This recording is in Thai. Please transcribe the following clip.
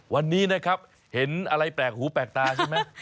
วันนี้นะครับเห็นอะไรแปลกหูแปลกตาใช่ไหม